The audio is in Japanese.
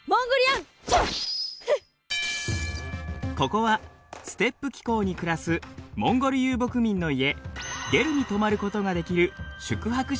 ここはステップ気候に暮らすモンゴル遊牧民の家ゲルに泊まることができる宿泊施設なんです。